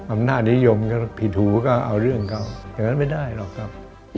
อำนาจนิยมก็ผิดหูก็เอาเรื่องเขาอย่างนั้นไม่ได้หรอกครับ